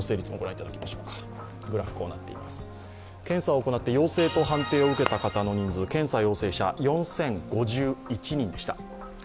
検査を行って陽性を判定を受けた方の人数、検査陽性者４０５１人でした。